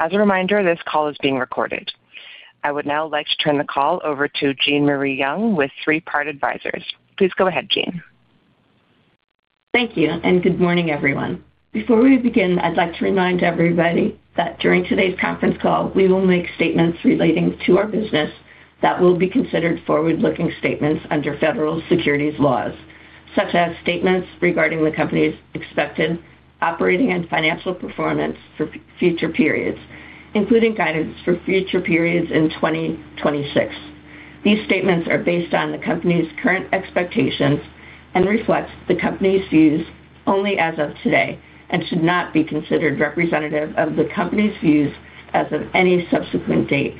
As a reminder, this call is being recorded. I would now like to turn the call over to Jean Marie Young with Three Part Advisors. Please go ahead, Jean. Thank you, and good morning, everyone. Before we begin, I'd like to remind everybody that during today's conference call, we will make statements relating to our business that will be considered forward-looking statements under federal securities laws, such as statements regarding the company's expected operating and financial performance for future periods, including guidance for future periods in 2026. These statements are based on the company's current expectations and reflect the company's views only as of today and should not be considered representative of the company's views as of any subsequent date.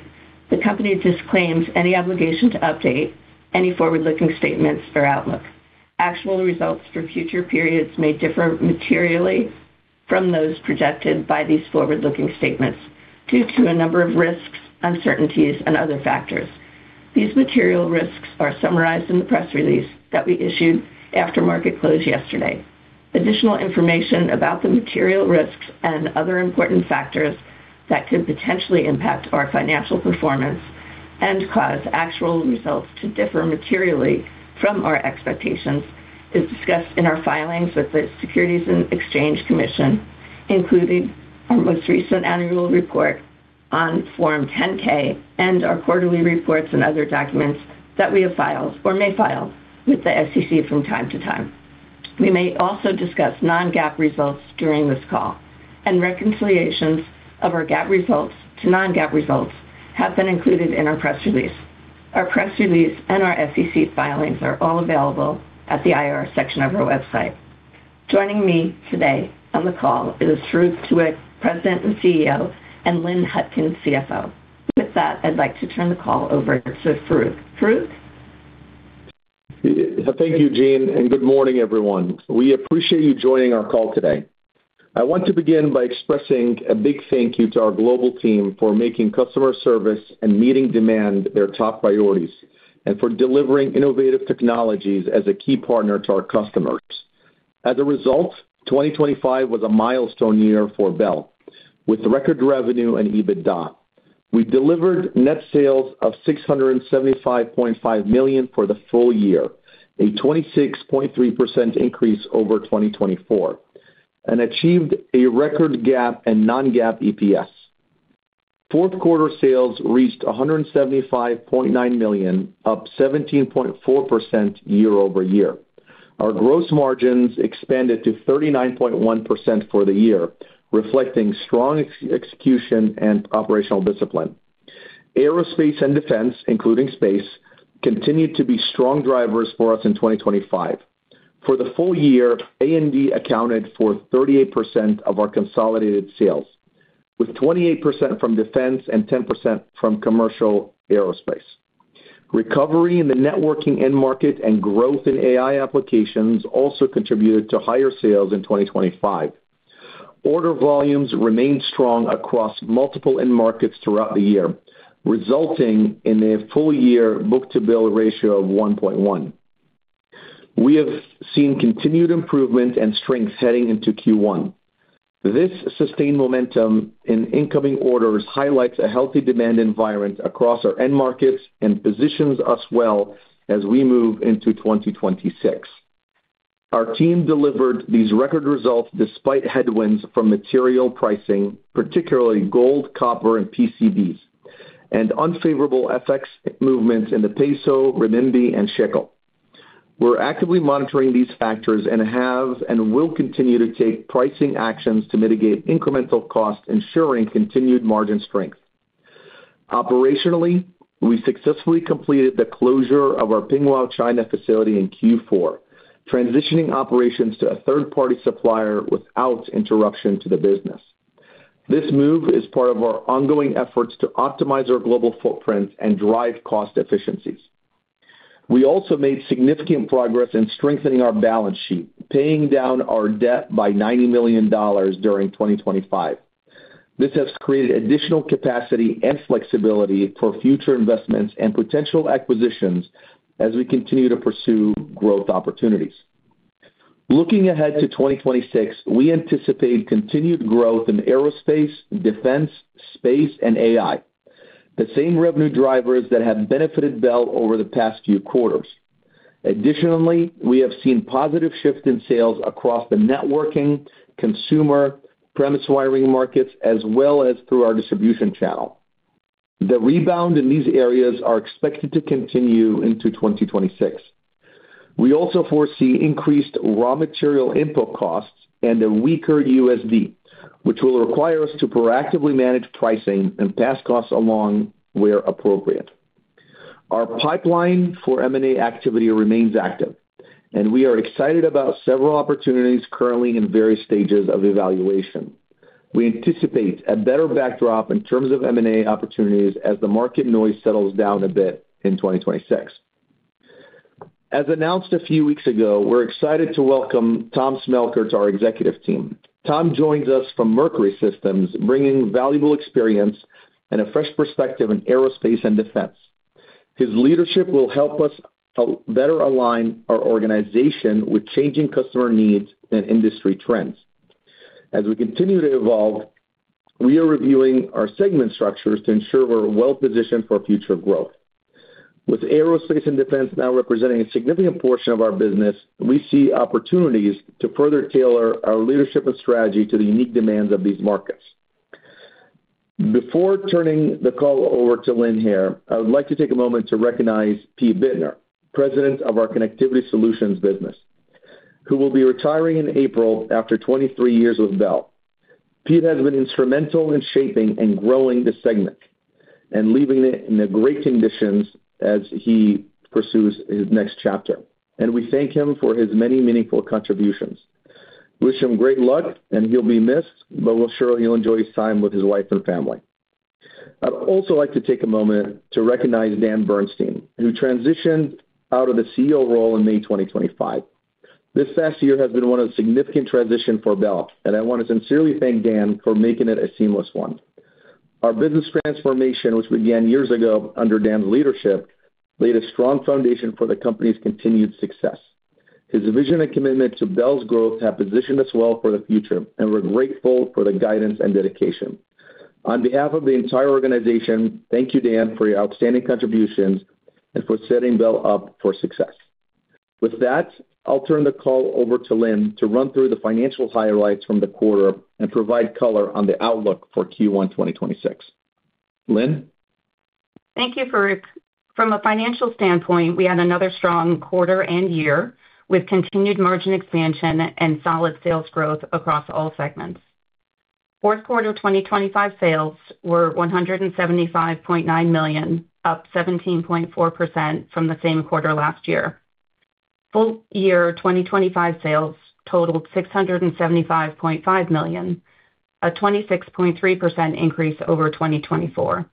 The company disclaims any obligation to update any forward-looking statements or outlook. Actual results for future periods may differ materially from those projected by these forward-looking statements due to a number of risks, uncertainties, and other factors. These material risks are summarized in the press release that we issued after market close yesterday. Additional information about the material risks and other important factors that could potentially impact our financial performance and cause actual results to differ materially from our expectations is discussed in our filings with the Securities and Exchange Commission, including our most recent Annual Report on Form 10-K and our quarterly reports and other documents that we have filed or may file with the SEC from time to time. We may also discuss non-GAAP results during this call, and reconciliations of our GAAP results to non-GAAP results have been included in our press release. Our press release and our SEC filings are all available at the IR section of our website. Joining me today on the call is Farouq Tuweiq, President and CEO, and Lynn Hutkin, CFO. With that, I'd like to turn the call over to Farouq. Farouq? Thank you, Jean, and good morning, everyone. We appreciate you joining our call today. I want to begin by expressing a big thank you to our global team for making customer service and meeting demand their top priorities and for delivering innovative technologies as a key partner to our customers. As a result, 2025 was a milestone year for Bel, with record revenue and EBITDA. We delivered net sales of $675.5 million for the full year, a 26.3% increase over 2024, and achieved a record GAAP and non-GAAP EPS. Fourth quarter sales reached $175.9 million, up 17.4% year-over-year. Our gross margins expanded to 39.1% for the year, reflecting strong execution and operational discipline. aerospace and defense, including space, continued to be strong drivers for us in 2025. For the full year, A&D accounted for 38% of our consolidated sales, with 28% from defense and 10% from commercial aerospace. Recovery in the networking end market and growth in AI applications also contributed to higher sales in 2025. Order volumes remained strong across multiple end markets throughout the year, resulting in a full year book-to-bill ratio of 1.1. We have seen continued improvement and strength heading into Q1. This sustained momentum in incoming orders highlights a healthy demand environment across our end markets and positions us well as we move into 2026. Our team delivered these record results despite headwinds from material pricing, particularly gold, copper, and PCBs, and unfavorable FX movements in the Peso, Renminbi, and Shekel. We're actively monitoring these factors and have and will continue to take pricing actions to mitigate incremental costs, ensuring continued margin strength. Operationally, we successfully completed the closure of our Pingguo, China, facility in Q4, transitioning operations to a third-party supplier without interruption to the business. This move is part of our ongoing efforts to optimize our global footprint and drive cost efficiencies. We also made significant progress in strengthening our balance sheet, paying down our debt by $90 million during 2025. This has created additional capacity and flexibility for future investments and potential acquisitions as we continue to pursue growth opportunities. Looking ahead to 2026, we anticipate continued growth in aerospace, defense, space, and AI, the same revenue drivers that have benefited Bel over the past few quarters. Additionally, we have seen positive shifts in sales across the networking, consumer, premise wiring markets, as well as through our distribution channel. The rebound in these areas are expected to continue into 2026. We also foresee increased raw material input costs and a weaker USD, which will require us to proactively manage pricing and pass costs along where appropriate. Our pipeline for M&A activity remains active, and we are excited about several opportunities currently in various stages of evaluation. We anticipate a better backdrop in terms of M&A opportunities as the market noise settles down a bit in 2026. As announced a few weeks ago, we're excited to welcome Tom Smelker to our executive team. Tom joins us from Mercury Systems, bringing valuable experience and a fresh perspective in aerospace and defense.... His leadership will help us to better align our organization with changing customer needs and industry trends. As we continue to evolve, we are reviewing our segment structures to ensure we're well-positioned aerospace and defense now representing a significant portion of our business, we see opportunities to further tailor our leadership and strategy to the unique demands of these markets. Before turning the call over to Lynn Hutkin, I would like to take a moment to recognize Pete Bittner, President of our Connectivity Solutions business, who will be retiring in April after 23 years with Bel. Pete has been instrumental in shaping and growing this segment and leaving it in great conditions as he pursues his next chapter, and we thank him for his many meaningful contributions. Wish him great luck, and he'll be missed, but we're sure he'll enjoy his time with his wife and family. I'd also like to take a moment to recognize Dan Bernstein, who transitioned out of the CEO role in May 2025. This past year has been one of significant transition for Bel, and I want to sincerely thank Dan for making it a seamless one. Our business transformation, which began years ago under Dan's leadership, laid a strong foundation for the company's continued success. His vision and commitment to Bel's growth have positioned us well for the future, and we're grateful for the guidance and dedication. On behalf of the entire organization, thank you, Dan, for your outstanding contributions and for setting Bel up for success. With that, I'll turn the call over to Lynn to run through the financial highlights from the quarter and provide color on the outlook for Q1, 2026. Lynn? Thank you, Farouq. From a financial standpoint, we had another strong quarter and year, with continued margin expansion and solid sales growth across all segments. Q4 2025 sales were $175.9 million, up 17.4% from the same quarter last year. Full-year 2025 sales totaled $675.5 million, a 26.3% increase over 2024.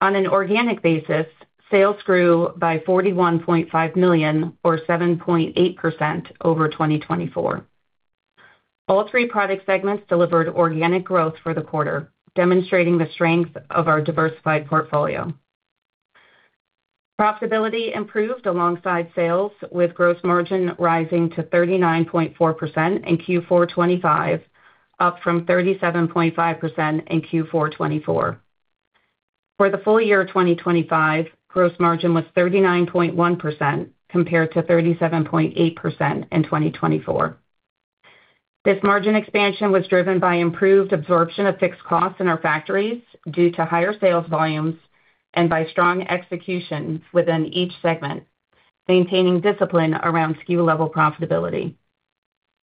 On an organic basis, sales grew by $41.5 million, or 7.8% over 2024. All three product segments delivered organic growth for the quarter, demonstrating the strength of our diversified portfolio. Profitability improved alongside sales, with gross margin rising to 39.4% in Q4 2025, up from 37.5% in Q4 2024. For the full year of 2025, gross margin was 39.1% compared to 37.8% in 2024. This margin expansion was driven by improved absorption of fixed costs in our factories due to higher sales volumes and by strong execution within each segment, maintaining discipline around SKU-level profitability.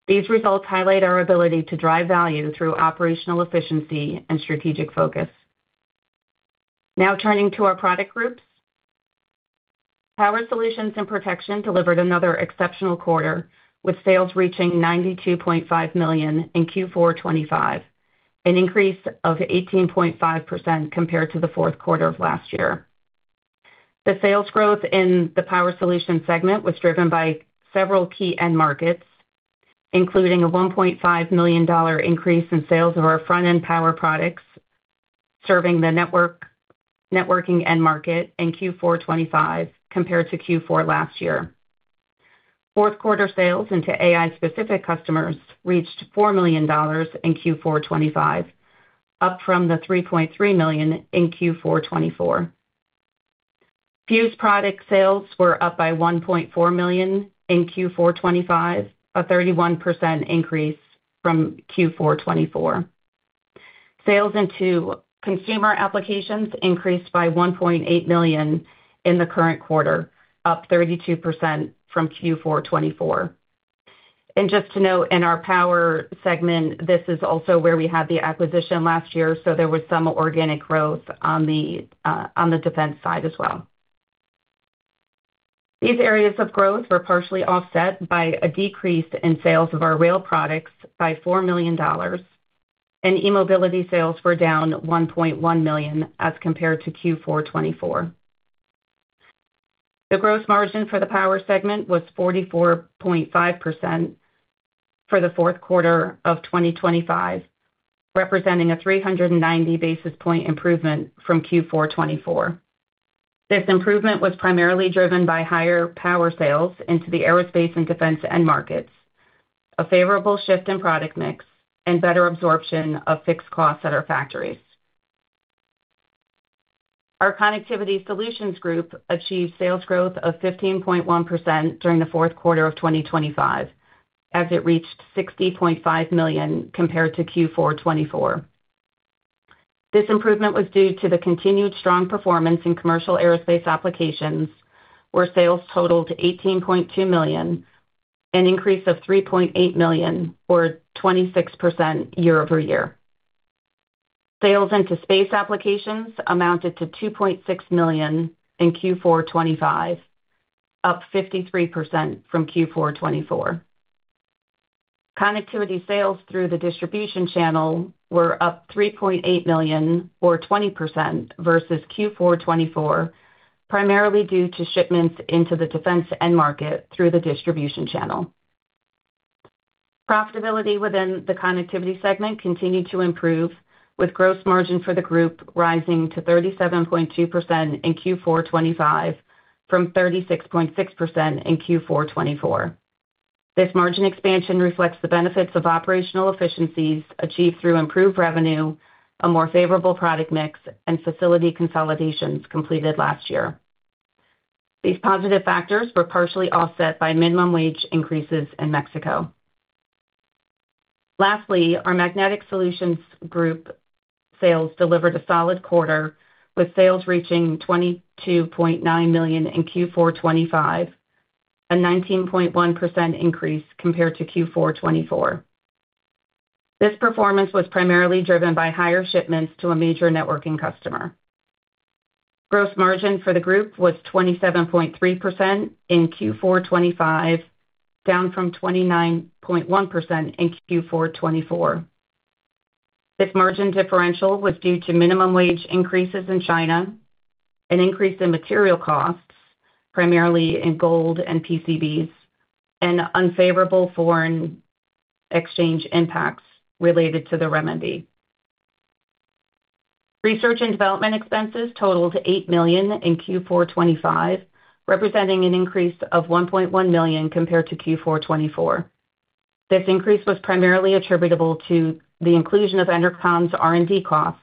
These results highlight our ability to drive value through operational efficiency and strategic focus. Now turning to our product groups. Power Solutions & Protection delivered another exceptional quarter, with sales reaching $92.5 million in Q4 2025, an increase of 18.5% compared to the fourth quarter of last year. The sales growth in the Power Solutions segment was driven by several key end markets, including a $1.5 million increase in sales of our front-end power products, serving the networking end market in Q4 2025 compared to Q4 last year. Fourth quarter sales into AI-specific customers reached $4 million in Q4 2025, up from the $3.3 million in Q4 2024. Fuse product sales were up by $1.4 million in Q4 2025, a 31% increase from Q4 2024. Sales into consumer applications increased by $1.8 million in the current quarter, up 32% from Q4 2024. And just to note, in our Power segment, this is also where we had the acquisition last year, so there was some organic growth on the, on the defense side as well. These areas of growth were partially offset by a decrease in sales of our rail products by $4 million, and e-mobility sales were down $1.1 million as compared to Q4 2024. The gross margin for the Power segment was 44.5% for the fourth quarter of 2025, representing a 390 basis point improvement from Q4 2024. This improvement was primarily driven by higher aerospace and defense end markets, a favorable shift in product mix, and better absorption of fixed costs at our factories. Our Connectivity Solutions group achieved sales growth of 15.1% during the fourth quarter of 2025, as it reached $60.5 million compared to Q4 2024. This improvement was due to the continued strong performance in commercial aerospace applications, where sales totaled $18.2 million, an increase of $3.8 million, or 26% year-over-year. Sales into space applications amounted to $2.6 million in Q4 2025, up 53% from Q4 2024. Connectivity sales through the distribution channel were up $3.8 million, or 20%, versus Q4 2024, primarily due to shipments into the defense end market through the distribution channel.... Profitability within the Connectivity segment continued to improve, with gross margin for the group rising to 37.2% in Q4 2025, from 36.6% in Q4 2024. This margin expansion reflects the benefits of operational efficiencies achieved through improved revenue, a more favorable product mix, and facility consolidations completed last year. These positive factors were partially offset by minimum wage increases in Mexico. Lastly, our Magnetic Solutions group sales delivered a solid quarter, with sales reaching $22.9 million in Q4 2025, a 19.1% increase compared to Q4 2024. This performance was primarily driven by higher shipments to a major networking customer. Gross margin for the group was 27.3% in Q4 2025, down from 29.1% in Q4 2024. This margin differential was due to minimum wage increases in China, an increase in material costs, primarily in gold and PCBs, and unfavorable foreign exchange impacts related to the renminbi. Research and development expenses totaled $8 million in Q4 2025, representing an increase of $1.1 million compared to Q4 2024. This increase was primarily attributable to the inclusion of Enercon's R&D costs,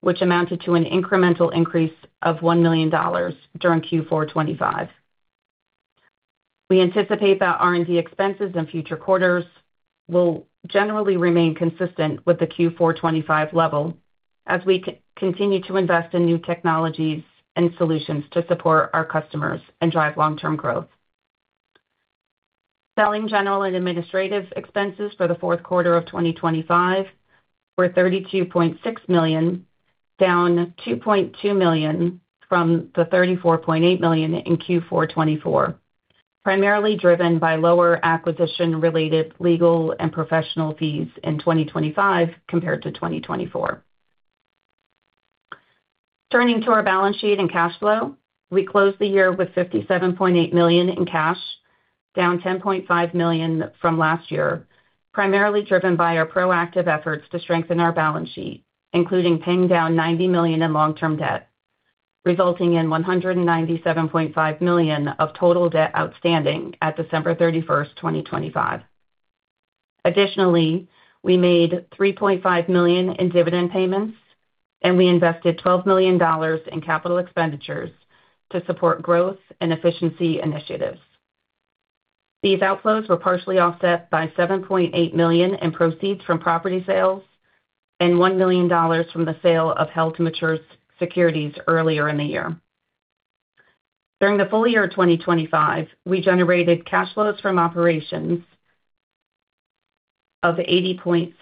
which amounted to an incremental increase of $1 million during Q4 2025. We anticipate that R&D expenses in future quarters will generally remain consistent with the Q4 2025 level as we continue to invest in new technologies and solutions to support our customers and drive long-term growth. Selling, general, and administrative expenses for the fourth quarter of 2025 were $32.6 million, down $2.2 million from the $34.8 million in Q4 2024, primarily driven by lower acquisition-related legal and professional fees in 2025 compared to 2024. Turning to our balance sheet and cash flow, we closed the year with $57.8 million in cash, down $10.5 million from last year, primarily driven by our proactive efforts to strengthen our balance sheet, including paying down $90 million in long-term debt, resulting in $197.5 million of total debt outstanding at December thirty-first, 2025. Additionally, we made $3.5 million in dividend payments, and we invested $12 million in capital expenditures to support growth and efficiency initiatives. These outflows were partially offset by $7.8 million in proceeds from property sales and $1 million from the sale of held-to-maturity securities earlier in the year. During the full year of 2025, we generated cash flows from operations of $80.6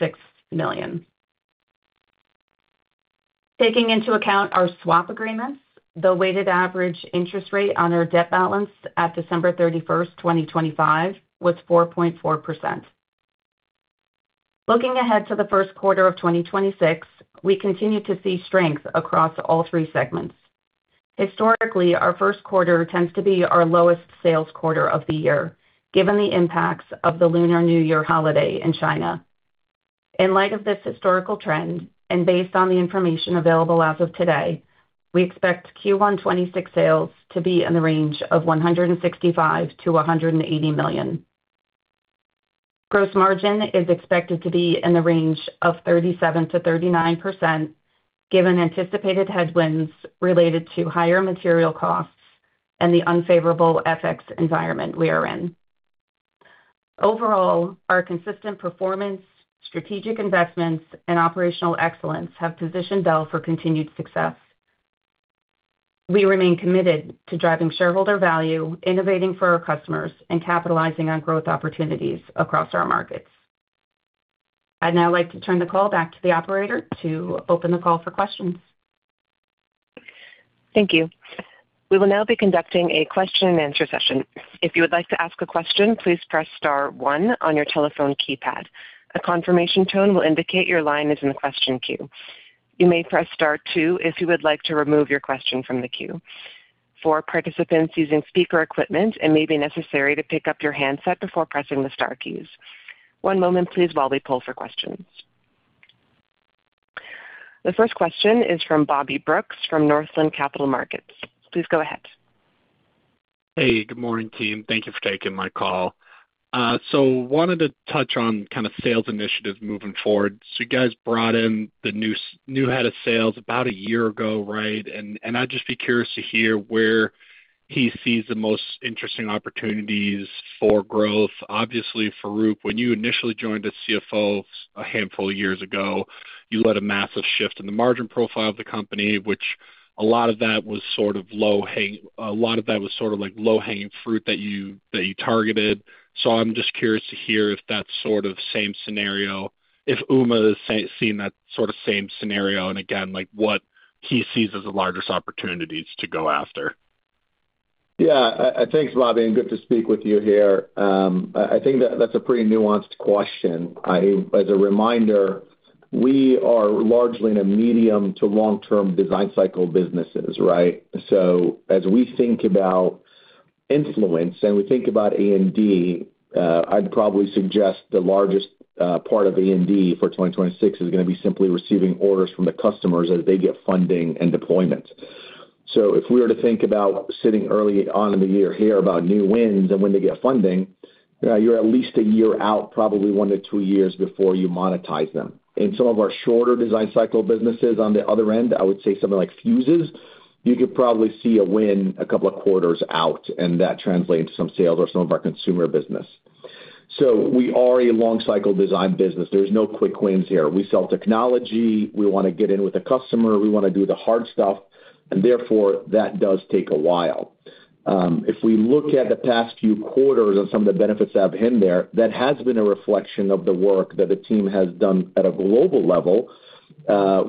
million. Taking into account our swap agreements, the weighted average interest rate on our debt balance at December 31st, 2025, was 4.4%. Looking ahead to the first quarter of 2026, we continue to see strength across all three segments. Historically, our first quarter tends to be our lowest sales quarter of the year, given the impacts of the Lunar New Year holiday in China. In light of this historical trend, and based on the information available as of today, we expect Q1 2026 sales to be in the range of $165 million-$180 million. Gross margin is expected to be in the range of 37%-39%, given anticipated headwinds related to higher material costs and the unfavorable FX environment we are in. Overall, our consistent performance, strategic investments, and operational excellence have positioned Bel for continued success. We remain committed to driving shareholder value, innovating for our customers, and capitalizing on growth opportunities across our markets. I'd now like to turn the call back to the operator to open the call for questions. Thank you. We will now be conducting a question-and-answer session. If you would like to ask a question, please press star one on your telephone keypad. A confirmation tone will indicate your line is in the question queue. You may press star two if you would like to remove your question from the queue. For participants using speaker equipment, it may be necessary to pick up your handset before pressing the star keys. One moment, please, while we pull for questions. The first question is from Bobby Brooks from Northland Capital Markets. Please go ahead. Hey, good morning, team. Thank you for taking my call. So wanted to touch on kind of sales initiatives moving forward. So you guys brought in the new head of sales about a year ago, right? And, and I'd just be curious to hear where he sees the most interesting opportunities for growth. Obviously, Farouq, when you initially joined as CFO a handful of years ago, you led a massive shift in the margin profile of the company, which a lot of that was sort of low hang—a lot of that was sort of like low-hanging fruit that you, that you targeted. So I'm just curious to hear if that sort of same scenario, if Uma is seeing that sort of same scenario, and again, like what he sees as the largest opportunities to go after. Yeah, thanks, Bobby, and good to speak with you here. I think that that's a pretty nuanced question. As a reminder-... we are largely in a medium to long-term design cycle businesses, right? So as we think about influence and we think about A&D, I'd probably suggest the largest part of A&D for 2026 is gonna be simply receiving orders from the customers as they get funding and deployment. So if we were to think about sitting early on in the year here about new wins and when they get funding, you're at least a year out, probably one to two years before you monetize them. In some of our shorter design cycle businesses on the other end, I would say something like fuses, you could probably see a win a couple of quarters out, and that translates to some sales or some of our consumer business. So we are a long cycle design business. There's no quick wins here. We sell technology, we wanna get in with the customer, we wanna do the hard stuff, and therefore, that does take a while. If we look at the past few quarters and some of the benefits that have been there, that has been a reflection of the work that the team has done at a global level,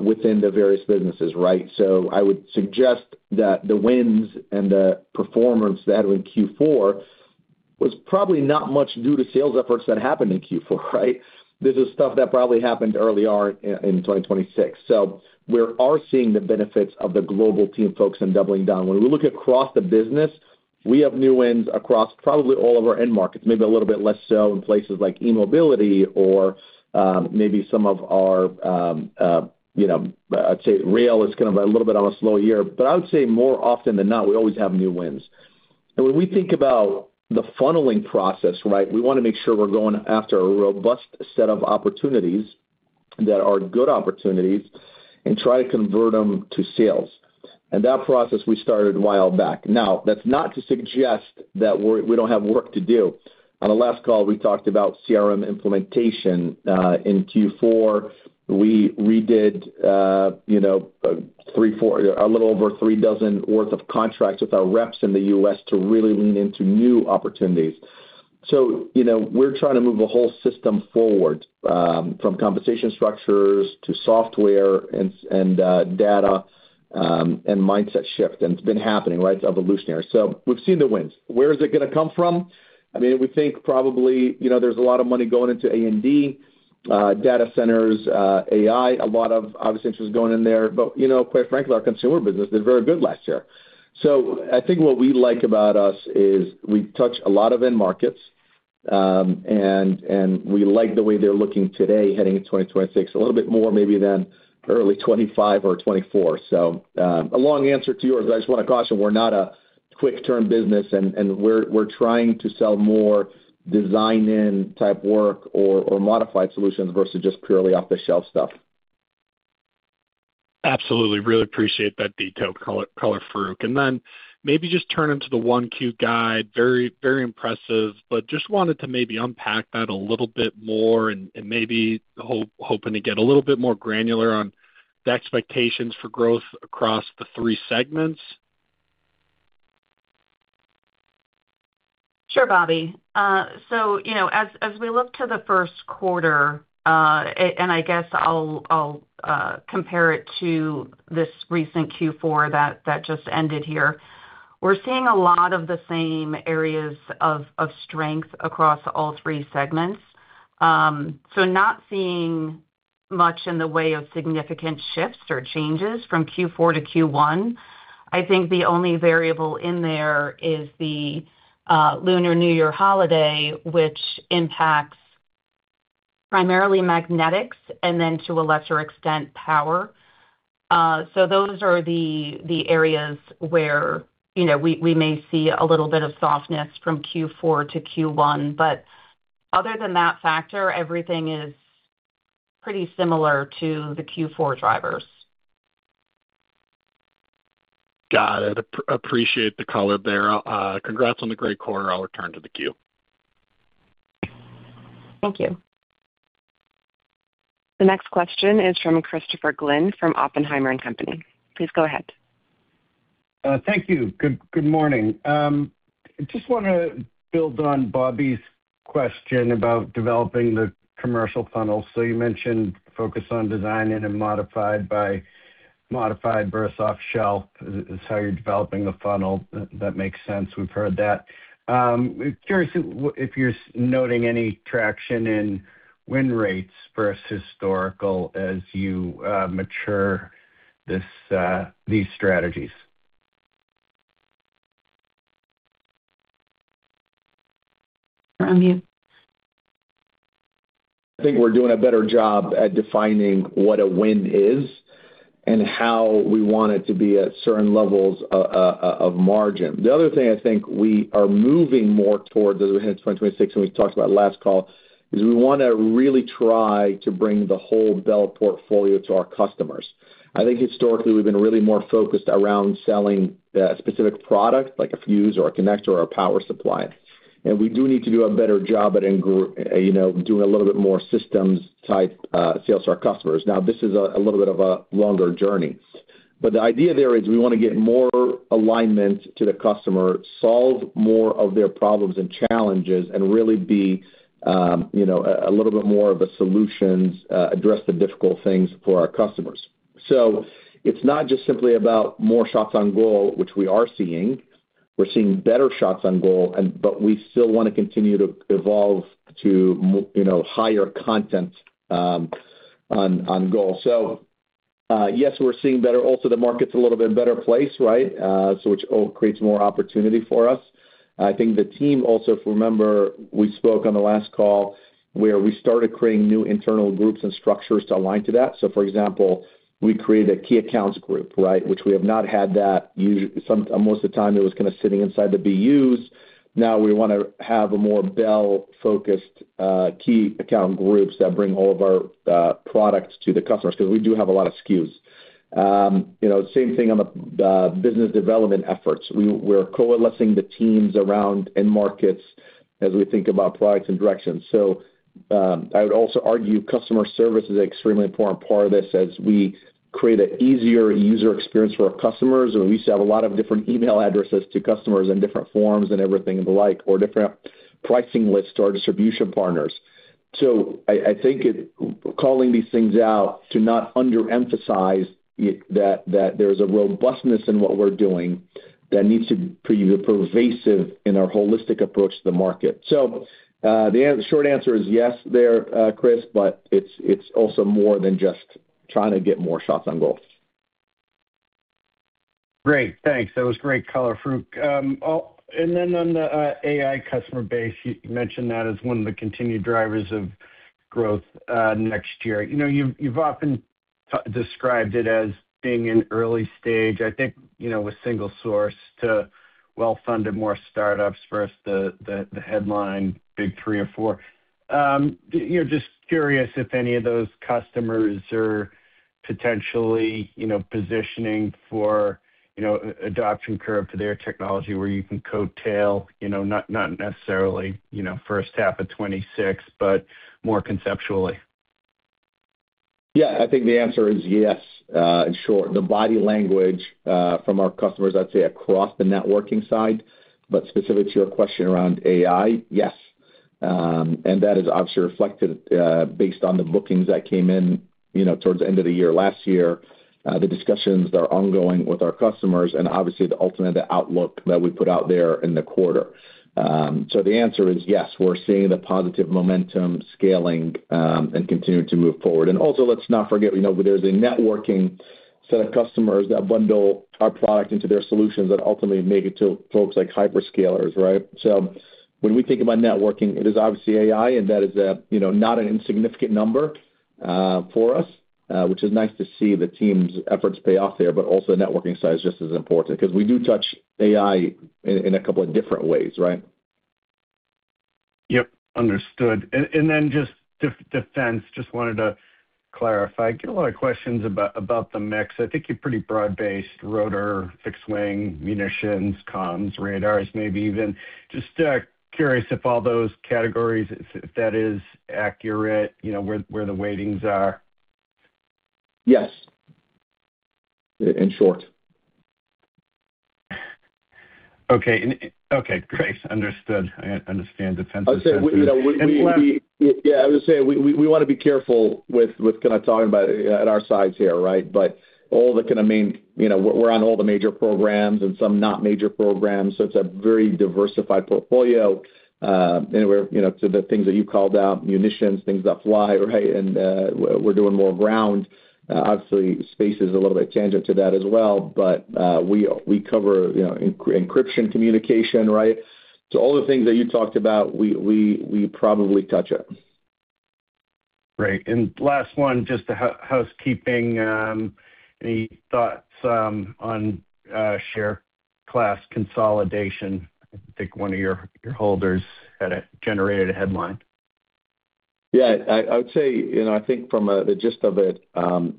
within the various businesses, right? So I would suggest that the wins and the performance that in Q4 was probably not much due to sales efforts that happened in Q4, right? This is stuff that probably happened early on in 2026. So we are seeing the benefits of the global team folks and doubling down. When we look across the business, we have new wins across probably all of our end markets, maybe a little bit less so in places like eMobility or, maybe some of our, you know, I'd say rail is kind of a little bit on a slow year. But I would say more often than not, we always have new wins. And when we think about the funneling process, right, we wanna make sure we're going after a robust set of opportunities that are good opportunities and try to convert them to sales. And that process, we started a while back. Now, that's not to suggest that we're, we don't have work to do. On the last call, we talked about CRM implementation. In Q4, we redid, you know, 34, a little over 36 worth of contracts with our reps in the U.S. to really lean into new opportunities. So, you know, we're trying to move the whole system forward, from compensation structures to software and, and, data, and mindset shift, and it's been happening, right? It's evolutionary. So we've seen the wins. Where is it gonna come from? I mean, we think probably, you know, there's a lot of money going into A&D, data centers, AI, a lot of obviously, this is going in there. But, you know, quite frankly, our consumer business did very good last year. So I think what we like about us is we touch a lot of end markets, and we like the way they're looking today, heading into 2026, a little bit more maybe than early 2025 or 2024. So, a long answer to you, but I just wanna caution, we're not a quick turn business, and we're trying to sell more design-in type work or modified solutions versus just purely off-the-shelf stuff. Absolutely. Really appreciate that detailed color, Farouq. And then maybe just turn into the 1Q guide, very, very impressive, but just wanted to maybe unpack that a little bit more and maybe hoping to get a little bit more granular on the expectations for growth across the three segments. Sure, Bobby. So you know, as we look to the first quarter, and I guess I'll compare it to this recent Q4 that just ended here. We're seeing a lot of the same areas of strength across all three segments. So not seeing much in the way of significant shifts or changes from Q4 to Q1. I think the only variable in there is the Lunar New Year holiday, which impacts primarily Magnetics and then to a lesser extent, Power. So those are the areas where, you know, we may see a little bit of softness from Q4 to Q1. But other than that factor, everything is pretty similar to the Q4 drivers. Got it. Appreciate the color there. Congrats on the great quarter. I'll return to the queue. Thank you. The next question is from Christopher Glynn from Oppenheimer & Co. Please go ahead. Thank you. Good, good morning. I just wanna build on Bobby's question about developing the commercial funnel. So you mentioned focus on design in and modified by modified versus off shelf. It's how you're developing the funnel. That makes sense. We've heard that. Curious if, if you're noting any traction in win rates versus historical as you mature this, these strategies? Farooq, you. I think we're doing a better job at defining what a win is and how we want it to be at certain levels of margin. The other thing I think we are moving more towards as we head to 2026, and we talked about last call, is we wanna really try to bring the whole Bel portfolio to our customers. I think historically, we've been really more focused around selling the specific product, like a fuse or a connector or a power supply. And we do need to do a better job at you know, doing a little bit more systems type sales to our customers. Now, this is a little bit of a longer journey. But the idea there is we wanna get more alignment to the customer, solve more of their problems and challenges, and really be, you know, a little bit more of a solutions, address the difficult things for our customers. So it's not just simply about more shots on goal, which we are seeing. We're seeing better shots on goal and, but we still want to continue to evolve to, you know, higher content, on, on goal. So, yes, we're seeing better. Also, the market's a little bit better placed, right? So which all creates more opportunity for us. I think the team also, if you remember, we spoke on the last call, where we started creating new internal groups and structures to align to that. So for example, we created a key accounts group, right? Which we have not had that most of the time, it was kind of sitting inside the BUs. Now we wanna have a more Bel-focused key account groups that bring all of our products to the customers, because we do have a lot of SKUs. You know, same thing on the business development efforts. We're coalescing the teams around end markets as we think about products and directions. So, I would also argue customer service is an extremely important part of this as we create an easier user experience for our customers. And we used to have a lot of different email addresses to customers and different forms and everything of the like, or different pricing lists to our distribution partners. So I think calling these things out to not underemphasize it, that there's a robustness in what we're doing that needs to be pervasive in our holistic approach to the market. So, the short answer is yes there, Chris, but it's also more than just trying to get more shots on goal. Great, thanks. That was great color, Farouq. Oh, and then on the AI customer base, you mentioned that as one of the continued drivers of growth next year. You know, you've, you've often described it as being in early stage. I think, you know, with single source to well-funded, more startups versus the headline, big three or four. I'm just curious if any of those customers are potentially, you know, positioning for, you know, adoption curve to their technology, where you can coattail, you know, not, not necessarily, you know, first half of 2026, but more conceptually? Yeah, I think the answer is yes, in short. The body language from our customers, I'd say across the networking side, but specific to your question around AI, yes. And that is obviously reflected based on the bookings that came in, you know, towards the end of the year, last year, the discussions are ongoing with our customers, and obviously, the ultimate outlook that we put out there in the quarter. So the answer is yes, we're seeing the positive momentum scaling and continuing to move forward. And also, let's not forget, you know, there's a networking set of customers that bundle our product into their solutions and ultimately make it to folks like hyperscalers, right? So when we think about networking, it is obviously AI, and that is a, you know, not an insignificant number for us, which is nice to see the team's efforts pay off there, but also the networking side is just as important, because we do touch AI in a couple of different ways, right? Yep, understood. And then just defense, just wanted to clarify. I get a lot of questions about the mix. I think you're pretty broad-based, rotor, fixed wing, munitions, comms, radars, maybe even. Just curious if all those categories, if that is accurate, you know, where the weightings are. Yes. In short. Okay, and, okay, great. Understood. I understand defense- I would say, you know, we And last- Yeah, I would say we wanna be careful with kind of talking about at our size here, right? But all the kind of main. You know, we're on all the major programs and some not major programs, so it's a very diversified portfolio. And we're, you know, to the things that you called out, munitions, things that fly, right? And we're doing more ground. Obviously, space is a little bit tangent to that as well, but we cover, you know, encryption communication, right? So all the things that you talked about, we probably touch it. Great. And last one, just a housekeeping. Any thoughts on share class consolidation? I think one of your holders had generated a headline. Yeah, I would say, you know, I think from the gist of it,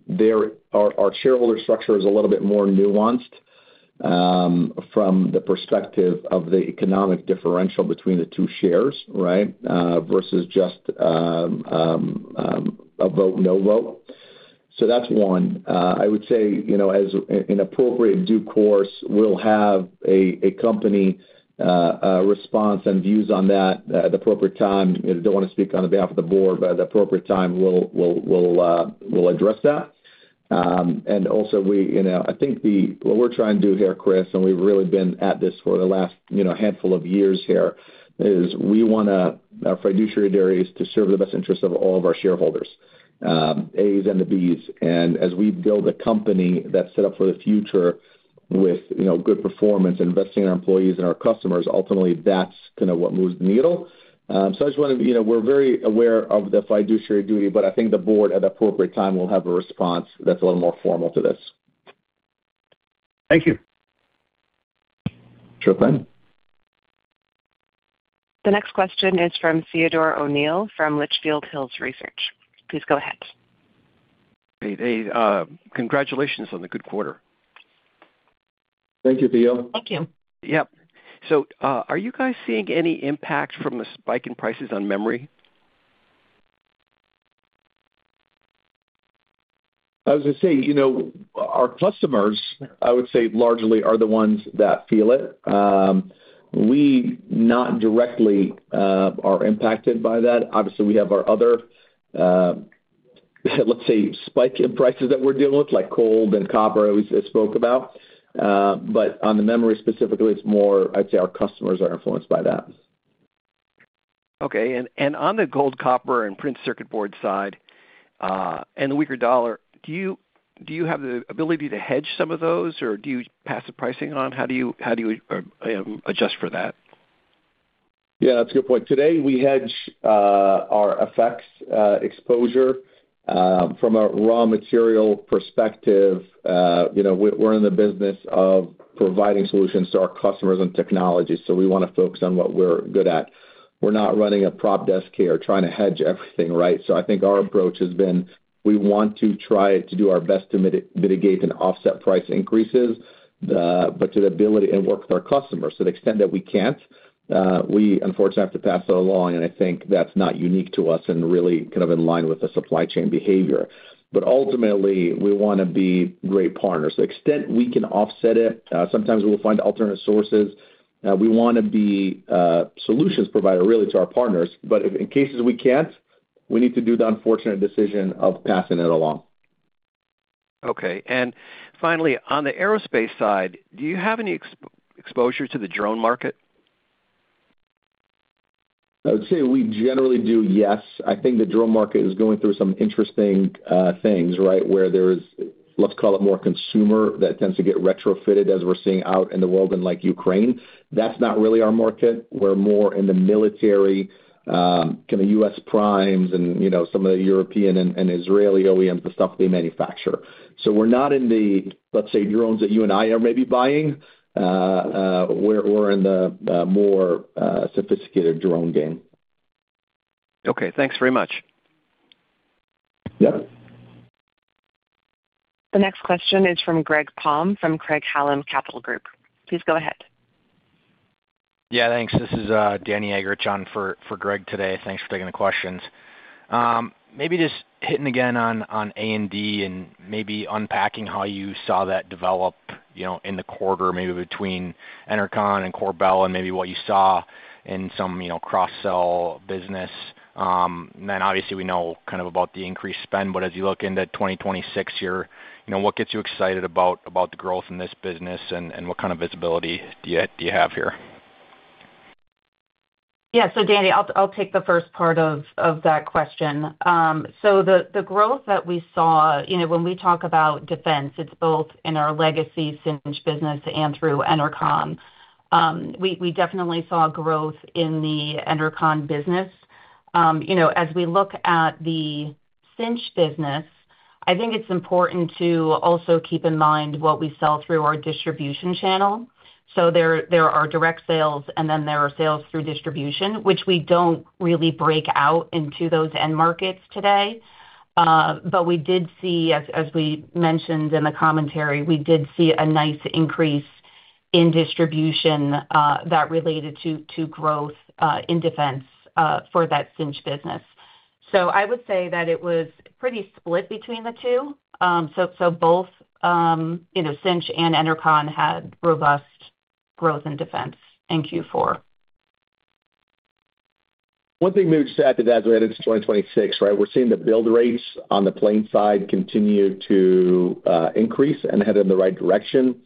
there, our shareholder structure is a little bit more nuanced, from the perspective of the economic differential between the two shares, right? Versus just a vote, no vote. So that's one. I would say, you know, as in appropriate due course, we'll have a company response and views on that at the appropriate time. I don't want to speak on behalf of the board, but at the appropriate time, we'll address that. And also we... You know, I think what we're trying to do here, Chris, and we've really been at this for the last, you know, handful of years here, is we wanna our fiduciary duty is to serve the best interest of all of our shareholders, A's and the B's. And as we build a company that's set up for the future with, you know, good performance, investing in our employees and our customers, ultimately, that's kind of what moves the needle. So I just wanted to... You know, we're very aware of the fiduciary duty, but I think the board, at the appropriate time, will have a response that's a little more formal to this. Thank you. Sure thing. The next question is from Theodore O'Neill, from Litchfield Hills Research. Please go ahead. Hey, hey, congratulations on the good quarter. Thank you, Theo. Thank you. Yep. So, are you guys seeing any impact from the spike in prices on memory? I was gonna say, you know, our customers, I would say, largely are the ones that feel it. We not directly are impacted by that. Obviously, we have our other, let's say, spike in prices that we're dealing with, like gold and copper, I spoke about. But on the memory specifically, it's more, I'd say our customers are influenced by that. Okay. And on the gold, copper, and printed circuit board side, and the weaker dollar, do you have the ability to hedge some of those, or do you pass the pricing on? How do you adjust for that? Yeah, that's a good point. Today, we hedge our effects exposure from a raw material perspective, you know, we're in the business of providing solutions to our customers and technologies, so we wanna focus on what we're good at. We're not running a prop desk here trying to hedge everything, right? So I think our approach has been, we want to try to do our best to mitigate and offset price increases, but to the ability and work with our customers. To the extent that we can't, we unfortunately have to pass that along, and I think that's not unique to us and really kind of in line with the supply chain behavior. But ultimately, we wanna be great partners. To the extent we can offset it, sometimes we'll find alternate sources. We wanna be a solutions provider, really, to our partners. But in cases we can't, we need to do the unfortunate decision of passing it along. Okay. And finally, on the aerospace side, do you have any exposure to the drone market? I would say we generally do, yes. I think the drone market is going through some interesting things, right? Where there's, let's call it more consumer, that tends to get retrofitted as we're seeing out in the world, in, like, Ukraine. That's not really our market. We're more in the military kind of U.S. primes and, you know, some of the European and Israeli OEMs, the stuff they manufacture. So we're not in the, let's say, drones that you and I are maybe buying, we're in the more sophisticated drone game. Okay, thanks very much. Yep. The next question is from Greg Palm from Craig-Hallum Capital Group. Please go ahead. Yeah, thanks. This is Danny Eggerichs on for Greg today. Thanks for taking the questions. Maybe just hitting again on A&D and maybe unpacking how you saw that develop, you know, in the quarter, maybe between Enercon and core Bel, and maybe what you saw in some, you know, cross-sell business. Then obviously, we know kind of about the increased spend, but as you look into 2026 here, you know, what gets you excited about the growth in this business, and what kind of visibility do you have here? Yeah. So, Danny, I'll take the first part of that question. So the growth that we saw, you know, when we talk about defense, it's both in our legacy Cinch business and through Enercon. We definitely saw growth in the Enercon business. You know, as we look at the Cinch business, I think it's important to also keep in mind what we sell through our distribution channel. So there are direct sales, and then there are sales through distribution, which we don't really break out into those end markets today. But we did see, as we mentioned in the commentary, we did see a nice increase in distribution that related to growth in defense for that Cinch business. So I would say that it was pretty split between the two. So both, you know, Cinch and Enercon had robust growth in defense in Q4. One thing we've said as we head into 2026, right, we're seeing the build rates on the plane side continue to increase and head in the right direction.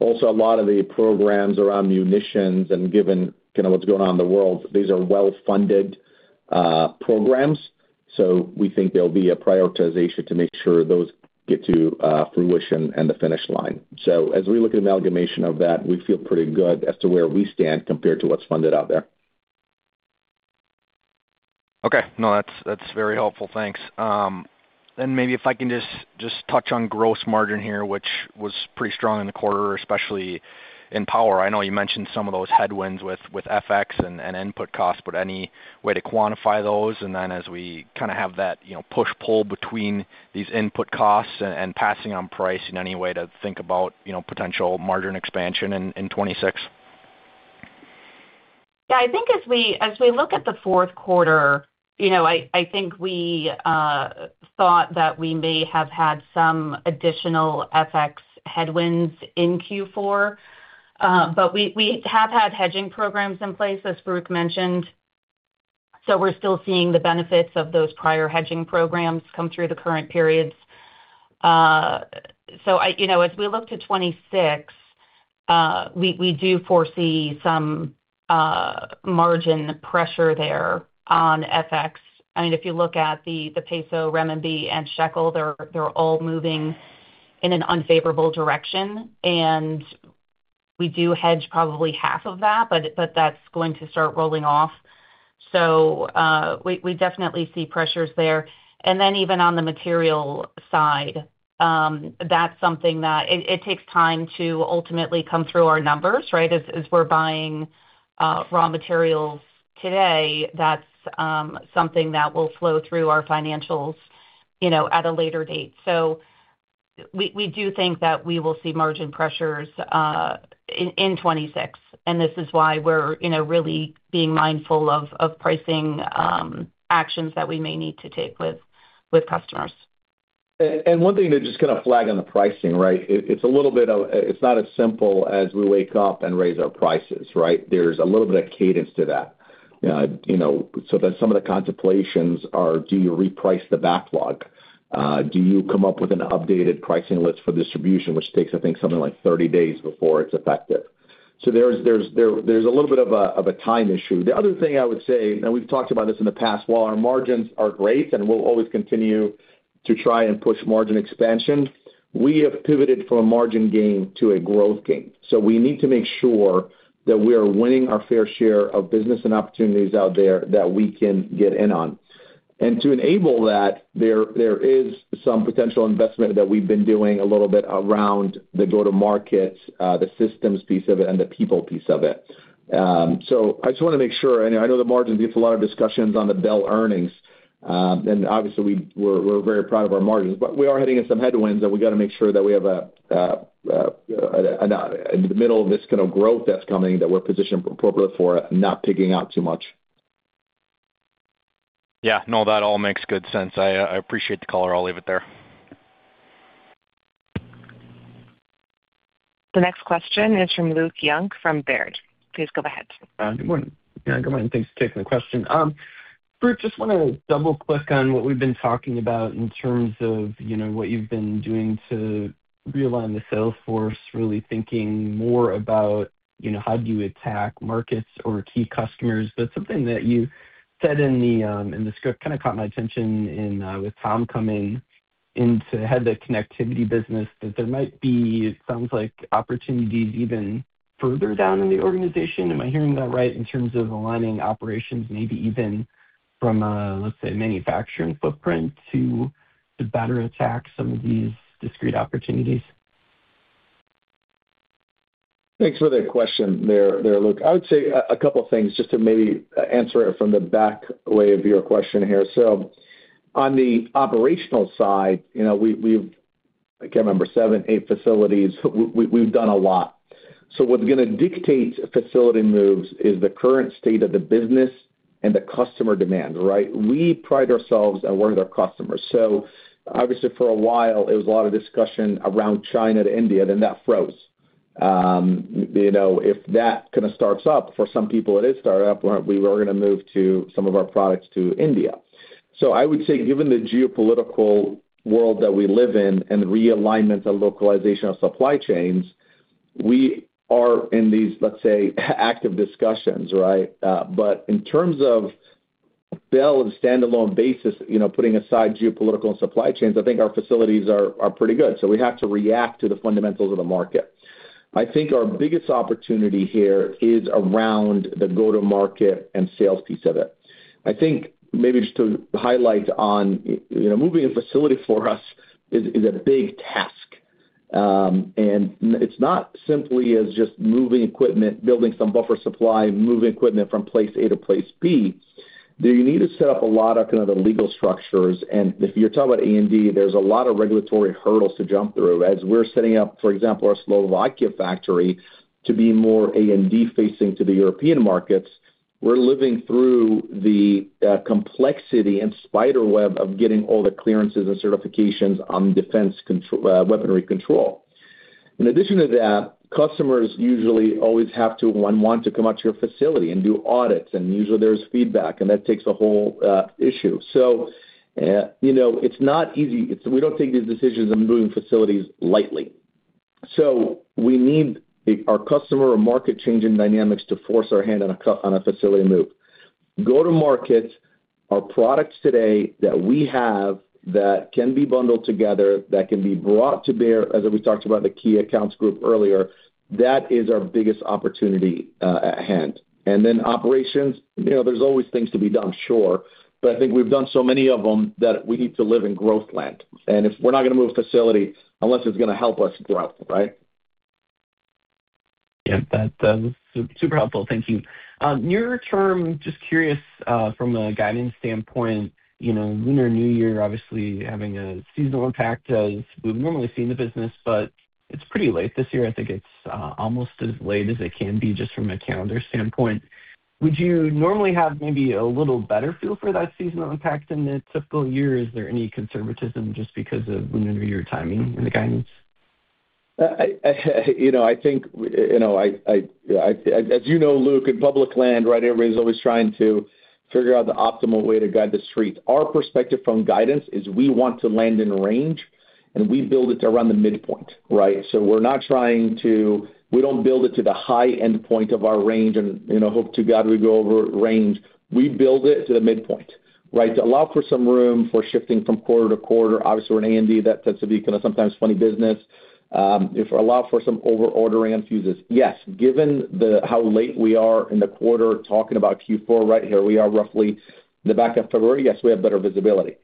Also, a lot of the programs around munitions and given kind of what's going on in the world, these are well-funded programs. So we think there'll be a prioritization to make sure those get to fruition and the finish line. So as we look at amalgamation of that, we feel pretty good as to where we stand compared to what's funded out there. Okay. No, that's, that's very helpful. Thanks. Then maybe if I can just, just touch on gross margin here, which was pretty strong in the quarter, especially in Power. I know you mentioned some of those headwinds with, with FX and, and input costs, but any way to quantify those? And then as we kind of have that, you know, push-pull between these input costs and, and passing on price in any way to think about, you know, potential margin expansion in, in 2026. Yeah. I think as we look at the fourth quarter, you know, I think we thought that we may have had some additional FX headwinds in Q4, but we have had hedging programs in place, as Farouq mentioned, so we're still seeing the benefits of those prior hedging programs come through the current periods. So, you know, as we look to 2026, we do foresee some margin pressure there on FX. I mean, if you look at the Peso, Renminbi, and Shekel, they're all moving in an unfavorable direction, and we do hedge probably half of that, but that's going to start rolling off. So, we definitely see pressures there. And then even on the material side, that's something that it takes time to ultimately come through our numbers, right? As we're buying raw materials today, that's something that will flow through our financials, you know, at a later date. So we do think that we will see margin pressures in 2026, and this is why we're, you know, really being mindful of pricing actions that we may need to take with customers.... And one thing to just kind of flag on the pricing, right? It's a little bit of; it's not as simple as we wake up and raise our prices, right? There's a little bit of cadence to that. You know, so then some of the contemplations are: Do you reprice the backlog? Do you come up with an updated pricing list for distribution, which takes, I think, something like 30 days before it's effective. So there's a little bit of a time issue. The other thing I would say, and we've talked about this in the past, while our margins are great, and we'll always continue to try and push margin expansion, we have pivoted from a margin gain to a growth gain. We need to make sure that we are winning our fair share of business and opportunities out there that we can get in on. To enable that, there is some potential investment that we've been doing a little bit around the go-to-market, the systems piece of it, and the people piece of it. I just want to make sure, and I know the margin gets a lot of discussions on the Bel earnings, and obviously we're very proud of our margins. We are hitting in some headwinds, and we gotta make sure that we have a, a, a, an, in the middle of this kind of growth that's coming, that we're positioned appropriately for it and not pigging out too much. Yeah, no, that all makes good sense. I, I appreciate the call. I'll leave it there. The next question is from Luke Junk from Baird. Please go ahead. Good morning. Yeah, good morning, thanks for taking the question. Bruce, just wanna double-click on what we've been talking about in terms of, you know, what you've been doing to realign the sales force, really thinking more about, you know, how do you attack markets or key customers. But something that you said in the script kind of caught my attention with Tom coming in to head the Connectivity business, that there might be, it sounds like, opportunities even further down in the organization. Am I hearing that right, in terms of aligning operations, maybe even from a, let's say, manufacturing footprint, to better attack some of these discrete opportunities? Thanks for the question, Luke. I would say a couple things just to maybe answer it from the back way of your question here. So on the operational side, you know, we've, I can't remember, seven, eight facilities, we've done a lot. So what's gonna dictate facility moves is the current state of the business and the customer demand, right? We pride ourselves on working with our customers. So obviously, for a while, it was a lot of discussion around China to India, then that froze. You know, if that kind of starts up, for some people, it is started up, we're gonna move some of our products to India. So I would say, given the geopolitical world that we live in and the realignment and localization of supply chains, we are in these, let's say, active discussions, right? But in terms of Bel on a standalone basis, you know, putting aside geopolitical and supply chains, I think our facilities are pretty good, so we have to react to the fundamentals of the market. I think our biggest opportunity here is around the go-to-market and sales piece of it. I think maybe just to highlight on, you know, moving a facility for us is a big task. And it's not simply as just moving equipment, building some buffer supply, moving equipment from place A to place B. You need to set up a lot of kind of the legal structures, and if you're talking about A&D, there's a lot of regulatory hurdles to jump through. As we're setting up, for example, our Slovakia factory to be more A&D-facing to the European markets, we're living through the complexity and spider web of getting all the clearances and certifications on defense control, weaponry control. In addition to that, customers usually always have to, one, want to come out to your facility and do audits, and usually there's feedback, and that takes a whole issue. So, you know, it's not easy. It's. We don't take these decisions on moving facilities lightly. So we need our customer or market changing dynamics to force our hand on a facility move. Go-to-market, our products today that we have that can be bundled together, that can be brought to bear, as we talked about the key accounts group earlier, that is our biggest opportunity, at hand. Then operations, you know, there's always things to be done, sure, but I think we've done so many of them that we need to live in growth land. If we're not gonna move a facility, unless it's gonna help us grow, right? Yeah, that super helpful. Thank you. Near term, just curious, from a guidance standpoint, you know, Lunar New Year obviously having a seasonal impact as we've normally seen the business, but it's pretty late this year. I think it's almost as late as it can be, just from a calendar standpoint. Would you normally have maybe a little better feel for that seasonal impact in a typical year, or is there any conservatism just because of Lunar New Year timing in the guidance? I, I, you know, I think, you know, I, I, I, as you know, Luke, in public land, right, everybody's always trying to figure out the optimal way to guide the street. Our perspective from guidance is we want to land in range, and we build it around the midpoint, right? We don't build it to the high end point of our range and, you know, hope to God we go over range. We build it to the midpoint, right? To allow for some room for shifting from quarter to quarter. Obviously, we're in A&D, that tends to be kind of sometimes funny business. It allow for some over-ordering infuses. Yes, given the—how late we are in the quarter, talking about Q4, right here, we are roughly in the back of February, yes, we have better visibility.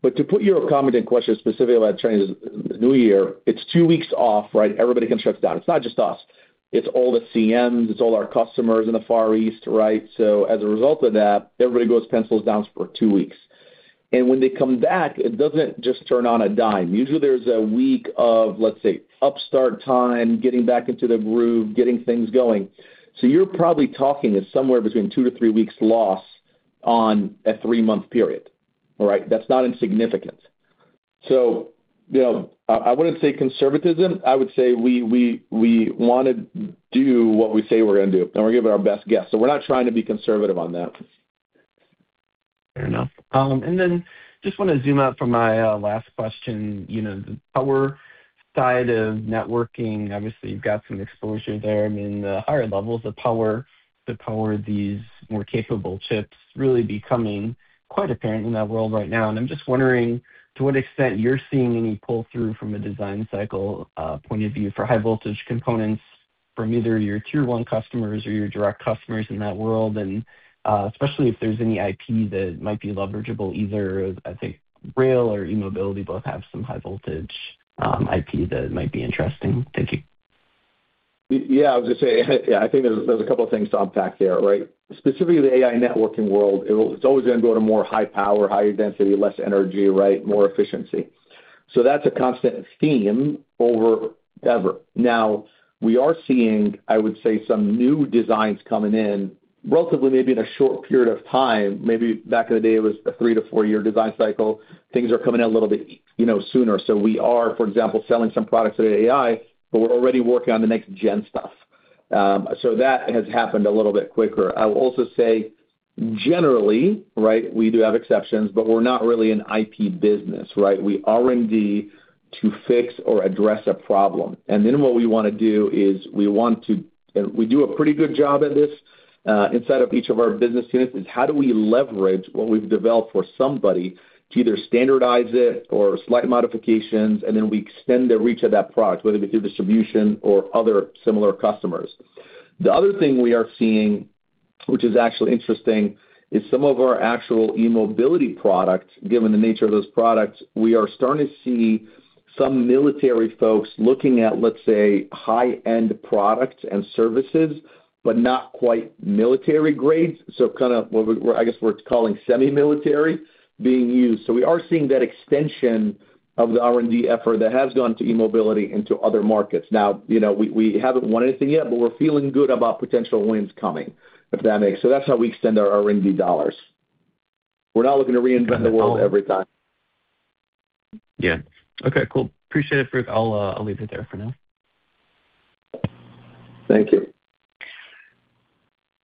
But to put your comment and question specifically about Chinese New Year, it's two weeks off, right? Everybody can shut down. It's not just us. It's all the CMs, it's all our customers in the Far East, right? So as a result of that, everybody goes pencils down for two weeks. And when they come back, it doesn't just turn on a dime. Usually there's a week of, let's say, upstart time, getting back into the groove, getting things going. So you're probably talking is somewhere between two to three weeks loss-... on a three-month period, all right? That's not insignificant. So, you know, I, I wouldn't say conservatism. I would say we, we, we wanna do what we say we're gonna do, and we're giving our best guess. So we're not trying to be conservative on that. Fair enough. And then just wanna zoom out for my last question. You know, the Power side of networking, obviously, you've got some exposure there. I mean, the higher levels of power to power these more capable chips really becoming quite apparent in that world right now. And I'm just wondering to what extent you're seeing any pull-through from a design cycle point of view for high voltage components from either your tier one customers or your direct customers in that world, and especially if there's any IP that might be leverageable, either, I think, rail or eMobility both have some high voltage IP that might be interesting. Thank you. Yeah, I would just say, yeah, I think there's a couple of things to unpack there, right? Specifically, the AI networking world, it will, it's always gonna go to more high power, higher density, less energy, right, more efficiency. So that's a constant theme forever. Now, we are seeing, I would say, some new designs coming in relatively, maybe in a short period of time. Maybe back in the day, it was a three to four-year design cycle. Things are coming in a little bit, you know, sooner. So we are, for example, selling some products that are AI, but we're already working on the next gen stuff. So that has happened a little bit quicker. I will also say, generally, right, we do have exceptions, but we're not really an IP business, right? We R&D to fix or address a problem, and then what we wanna do is we want to, we do a pretty good job at this, inside of each of our business units, is how do we leverage what we've developed for somebody to either standardize it or slight modifications, and then we extend the reach of that product, whether it be through distribution or other similar customers. The other thing we are seeing, which is actually interesting, is some of our actual eMobility products, given the nature of those products, we are starting to see some military folks looking at, let's say, high-end products and services, but not quite military grade. So kind of what we're, I guess, we're calling semi-military being used. So we are seeing that extension of the R&D effort that has gone to eMobility into other markets. Now, you know, we haven't won anything yet, but we're feeling good about potential wins coming, if that makes sense. That's how we extend our R&D dollars. We're not looking to reinvent the world every time. Yeah. Okay, cool. Appreciate it, Farouq. I'll, I'll leave it there for now. Thank you.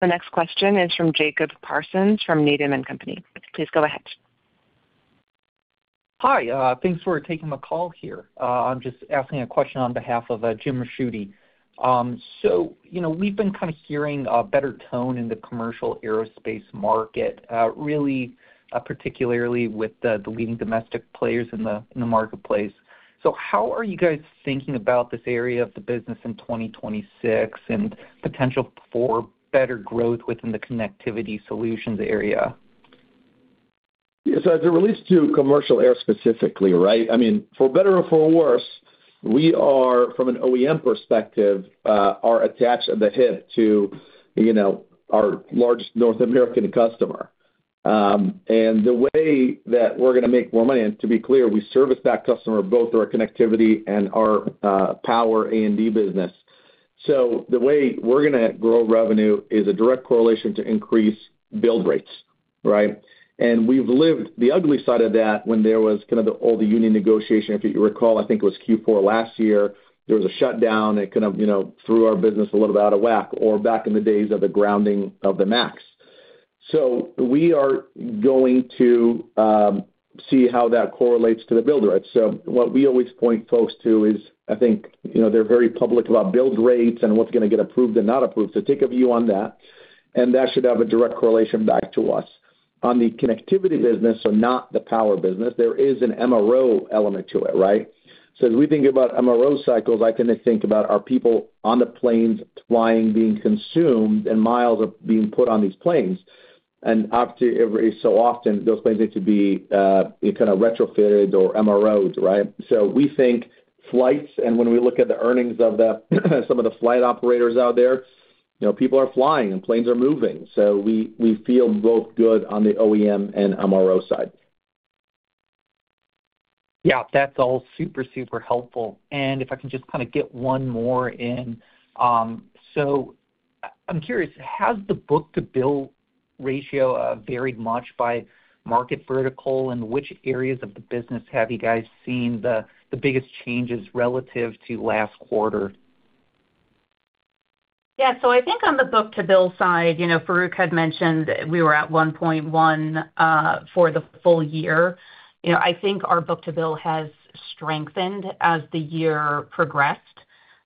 The next question is from Jacob Parsons, from Needham & Company. Please go ahead. Hi, thanks for taking my call here. I'm just asking a question on behalf of Jim Ricchiuti. So, you know, we've been kind of hearing a better tone in the commercial aerospace market, really, particularly with the leading domestic players in the marketplace. So how are you guys thinking about this area of the business in 2026 and potential for better growth within the Connectivity Solutions area? Yeah, so as it relates to commercial air, specifically, right? I mean, for better or for worse, we are, from an OEM perspective, are attached at the hip to, you know, our largest North American customer. And the way that we're gonna make more money, and to be clear, we service that customer both through our Connectivity and our Power A&D business. So the way we're gonna grow revenue is a direct correlation to increase build rates, right? And we've lived the ugly side of that when there was kind of the all the union negotiation. If you recall, I think it was Q4 last year, there was a shutdown. It kind of, you know, threw our business a little bit out of whack or back in the days of the grounding of the MAX. So we are going to see how that correlates to the build rates. So what we always point folks to is, I think, you know, they're very public about build rates and what's gonna get approved and not approved. So take a view on that, and that should have a direct correlation back to us. On the Connectivity business, so not the Power business, there is an MRO element to it, right? So as we think about MRO cycles, I kind of think about our people on the planes flying, being consumed, and miles are being put on these planes. And obviously, every so often, those planes need to be kind of retrofitted or MRO'd, right? So we think flights, and when we look at the earnings of some of the flight operators out there, you know, people are flying and planes are moving, so we feel both good on the OEM and MRO side. Yeah, that's all super, super helpful. If I can just kind of get one more in. So I'm curious, has the book-to-bill ratio varied much by market vertical? And which areas of the business have you guys seen the biggest changes relative to last quarter? Yeah, so I think on the book-to-bill side, you know, Farouq had mentioned we were at 1.1 for the full year. You know, I think our book-to-bill has strengthened as the year progressed.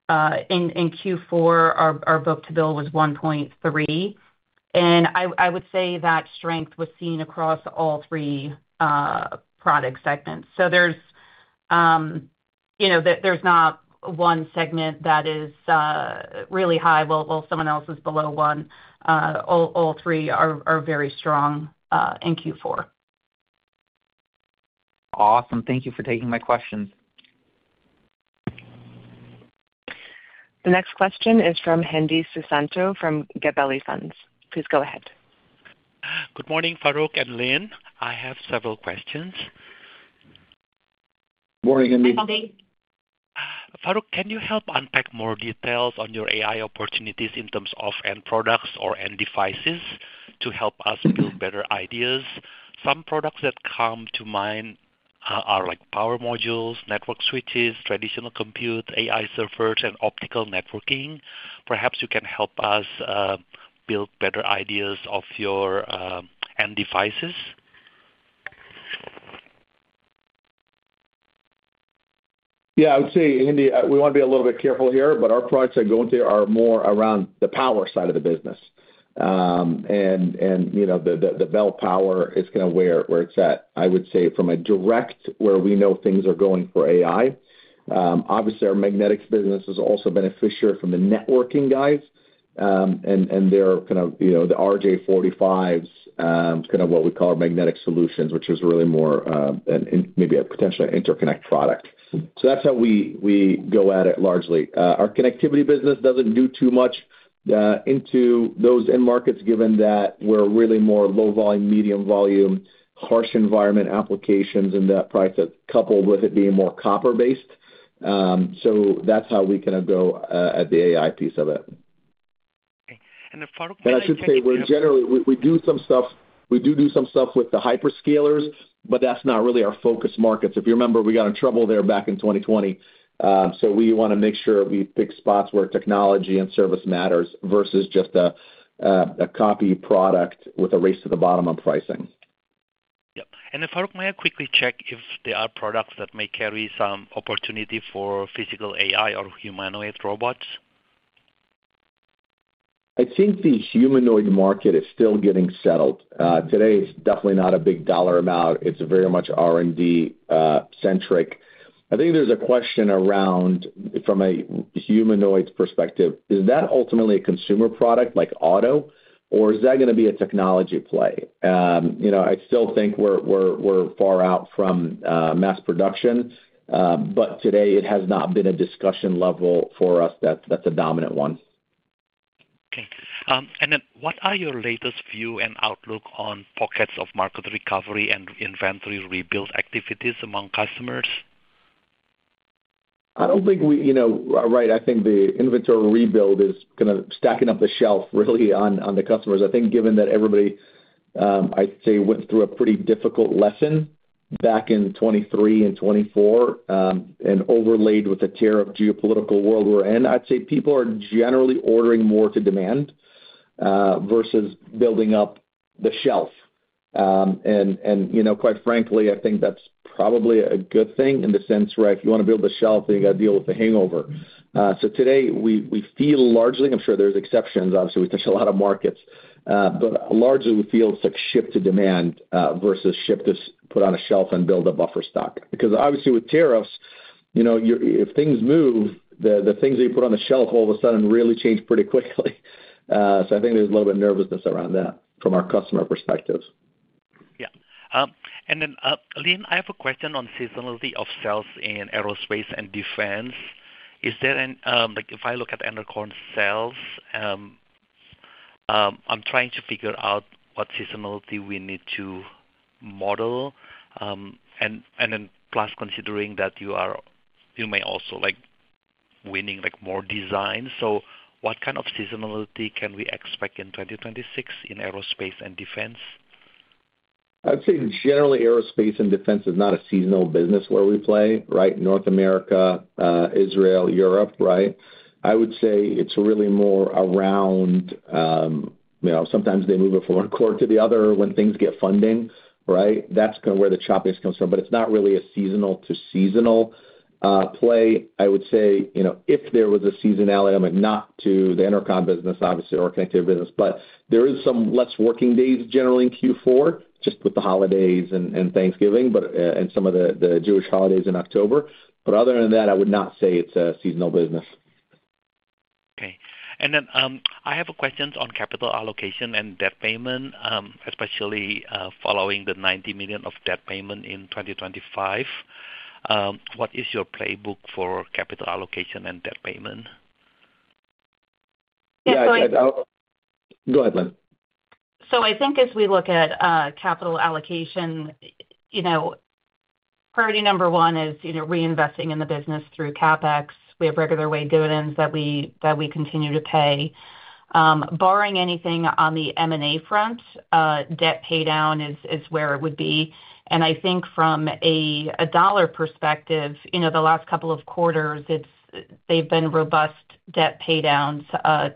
In Q4, our book-to-bill was 1.3, and I would say that strength was seen across all three product segments. So there's, you know, there's not one segment that is really high, while someone else is below one. All three are very strong in Q4. Awesome. Thank you for taking my questions. The next question is from Hendi Susanto, from Gabelli Funds. Please go ahead. Good morning, Farouq and Lynn. I have several questions. ... Morning, Hendi. Hi, Farouq, can you help unpack more details on your AI opportunities in terms of end products or end devices to help us build better ideas? Some products that come to mind are like power modules, network switches, traditional compute, AI servers, and optical networking. Perhaps you can help us build better ideas of your end devices. Yeah, I would say, Hendi, we want to be a little bit careful here, but our products that go into are more around the Power side of the business. And, you know, the Bel Power is kind of where it's at. I would say from a direct where we know things are going for AI, obviously, our Magnetics business is also beneficiary from the networking guys. And they're kind of, you know, the RJ45s, kind of what we call our Magnetic Solutions, which is really more, and in maybe a potentially interconnect product. So that's how we go at it largely. Our Connectivity business doesn't do too much into those end markets, given that we're really more low volume, medium volume, harsh environment applications in that price, that coupled with it being more copper-based. So that's how we kind of go at the AI piece of it. Okay. And Farouq- I should say, we're generally, we, we do some stuff, we do do some stuff with the hyperscalers, but that's not really our focus markets. If you remember, we got in trouble there back in 2020. So we wanna make sure we pick spots where technology and service matters versus just a copy product with a race to the bottom of pricing. Yep. And then, Farouq, may I quickly check if there are products that may carry some opportunity for physical AI or humanoid robots? I think the humanoid market is still getting settled. Today, it's definitely not a big dollar amount. It's very much R&D centric. I think there's a question around, from a humanoid perspective, is that ultimately a consumer product like auto, or is that gonna be a technology play? You know, I still think we're far out from mass production, but today it has not been a discussion level for us that's a dominant one. Okay. What are your latest view and outlook on pockets of market recovery and inventory rebuild activities among customers? I don't think we, you know, right, I think the inventory rebuild is kind of stacking up the shelf really on, on the customers. I think given that everybody, I'd say, went through a pretty difficult lesson back in 2023 and 2024, and overlaid with the tariff geopolitical world we're in, I'd say people are generally ordering more to demand, versus building up the shelf. And, you know, quite frankly, I think that's probably a good thing in the sense where if you wanna build a shelf, then you gotta deal with the hangover. So today, we feel largely, I'm sure there's exceptions, obviously, we touch a lot of markets, but largely we feel it's like ship to demand, versus ship to put on a shelf and build a buffer stock. Because obviously with tariffs, you know, if things move, the things that you put on the shelf all of a sudden really change pretty quickly. So I think there's a little bit of nervousness around that from our customer perspectives. Yeah. And then, Lynn, I have a question on aerospace and defense. is there an, like, if I look at Enercon sales, I'm trying to figure out what seasonality we need to model. And then plus, considering that you are-- you may also like winning, like, more designs. So what kind of seasonality can we expect in 2026 in aerospace and defense? aerospace and defense is not a seasonal business where we play, right? North America, Israel, Europe, right? I would say it's really more around, you know, sometimes they move it from one quarter to the other when things get funding, right? That's kind of where the choppiness comes from, but it's not really a seasonal to seasonal, play. I would say, you know, if there was a seasonality, I mean, not to the Enercon business, obviously, or Connectivity business, but there is some less working days generally in Q4, just with the holidays and and Thanksgiving, but, and some of the, the Jewish holidays in October. But other than that, I would not say it's a seasonal business. Okay. And then, I have a question on capital allocation and debt payment, especially, following the $90 million of debt payment in 2025. What is your playbook for capital allocation and debt payment? Yeah, so I- Go ahead, Lynn. So I think as we look at capital allocation, you know, priority number one is, you know, reinvesting in the business through CapEx. We have regular way dividends that we, that we continue to pay. Barring anything on the M&A front, debt paydown is, is where it would be. And I think from a dollar perspective, you know, the last couple of quarters, it's-- they've been robust debt paydowns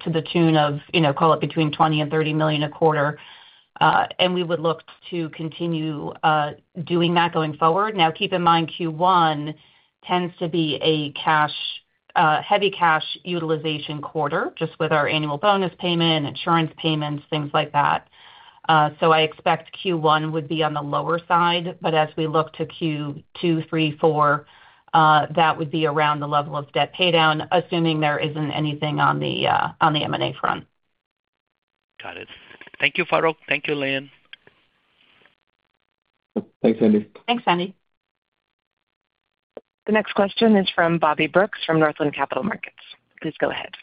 to the tune of, you know, call it between $20 million and $30 million a quarter. And we would look to continue doing that going forward. Now, keep in mind, Q1 tends to be a cash heavy cash utilization quarter, just with our annual bonus payment, insurance payments, things like that. So I expect Q1 would be on the lower side, but as we look to Q2, Q3, Q4, that would be around the level of debt paydown, assuming there isn't anything on the M&A front. Got it. Thank you, Farouq. Thank you, Lynn. Thanks, Hendi. Thanks, Hendi. The next question is from Bobby Brooks, from Northland Capital Markets. Please go ahead....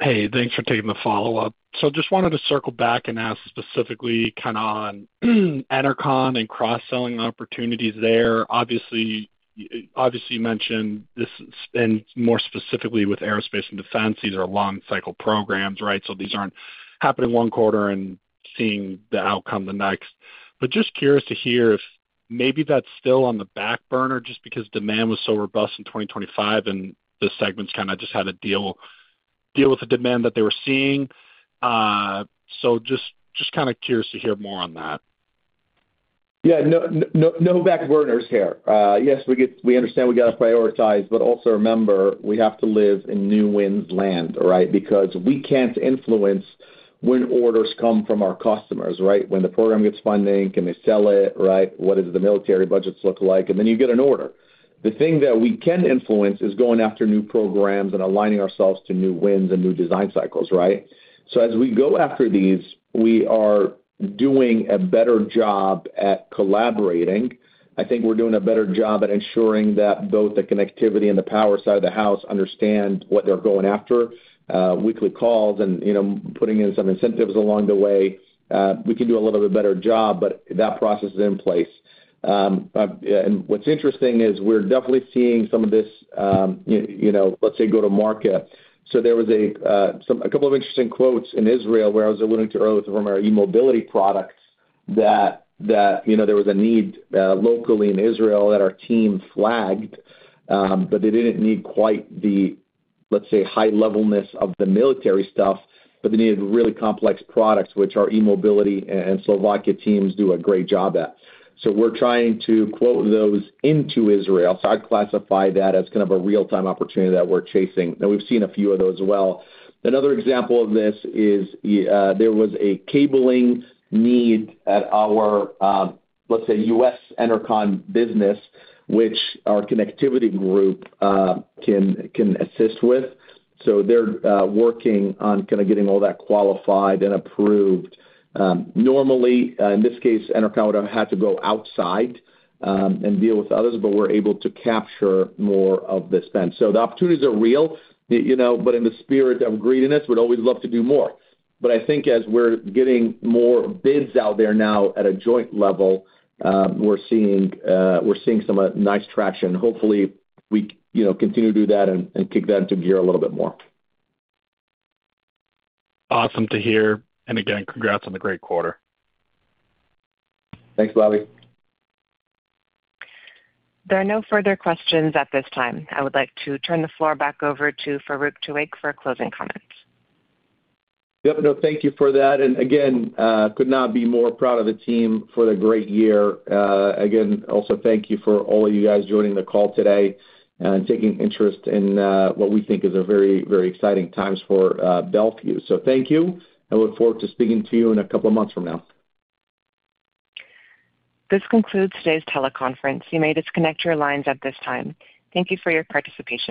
Hey, thanks for taking the follow-up. So just wanted to circle back and ask specifically kind of on Enercon and cross-selling opportunities there. Obviously, you mentioned this, aerospace and defense, these are long cycle programs, right? So these aren't happening one quarter and seeing the outcome the next. But just curious to hear if maybe that's still on the back burner just because demand was so robust in 2025, and the segments kind of just had to deal with the demand that they were seeing. So just kind of curious to hear more on that. Yeah, no, no, no back burners here. Yes, we understand we got to prioritize, but also remember, we have to live in new wins land, right? Because we can't influence when orders come from our customers, right? When the program gets funding, can they sell it, right? What does the military budgets look like? And then you get an order. The thing that we can influence is going after new programs and aligning ourselves to new wins and new design cycles, right? So as we go after these, we are doing a better job at collaborating. I think we're doing a better job at ensuring that both the Connectivity and the Power side of the house understand what they're going after. Weekly calls and, you know, putting in some incentives along the way, we can do a little bit better job, but that process is in place. And what's interesting is we're definitely seeing some of this, you know, let's say, go to market. So there was a couple of interesting quotes in Israel, where I was alluding to earlier from our e-mobility products, that, you know, there was a need locally in Israel that our team flagged, but they didn't need quite the, let's say, high levelness of the military stuff, but they needed really complex products, which our e-mobility and Slovakia teams do a great job at. So we're trying to quote those into Israel. So I'd classify that as kind of a real-time opportunity that we're chasing, and we've seen a few of those well. Another example of this is, there was a cabling need at our, let's say, U.S. Enercon business, which our Connectivity group can assist with. So they're working on kind of getting all that qualified and approved. Normally, in this case, Enercon would have had to go outside and deal with others, but we're able to capture more of this spend. So the opportunities are real, you know, but in the spirit of greediness, we'd always love to do more. But I think as we're getting more bids out there now at a joint level, we're seeing some nice traction. Hopefully, we you know continue to do that and kick that into gear a little bit more. Awesome to hear, and again, congrats on the great quarter. Thanks, Bobby. There are no further questions at this time. I would like to turn the floor back over to Farouq Tuweiq for closing comments. Yep. No, thank you for that, and again, could not be more proud of the team for the great year. Again, also, thank you for all of you guys joining the call today and taking interest in what we think is a very, very exciting times for Bel Fuse. So thank you. I look forward to speaking to you in a couple of months from now. This concludes today's teleconference. You may disconnect your lines at this time. Thank you for your participation.